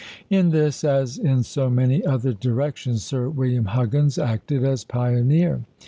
In this, as in so many other directions, Sir William Huggins acted as pioneer.